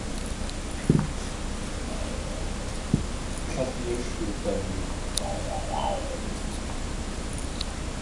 Tlél yéi sh toodanook.